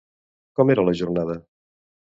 Com era la jornada?